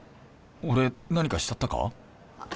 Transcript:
俺何かしちゃったか？